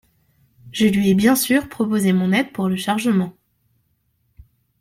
Je lui ai bien sûr proposé mon aide pour le chargement.